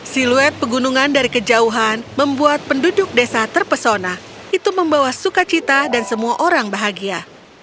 siluet pegunungan dari kejauhan membuat penduduk desa terpesona itu membawa sukacita dan semua orang bahagia